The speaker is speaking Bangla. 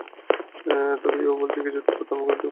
তবে এ-ও বলেছেন, কিছু তথ্য তাঁর মৃত্যুর সঙ্গে চাপাও পড়ে যাবে।